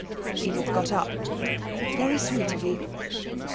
Edith got up. 'Very sweet of you.'